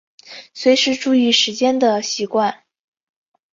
随时注意时间的习惯